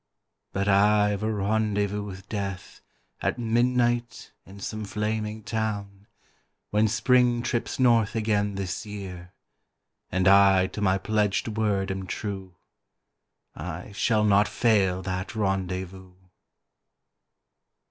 . But I've a rendezvous with Death At midnight in some flaming town, When Spring trips north again this year, And I to my pledged word am true, I shall not fail that rendezvous.